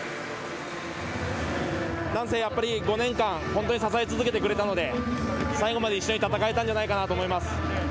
なんせ５年間、本当に支え続けてくれたので、最後まで一緒に戦えたんじゃないかなと思います。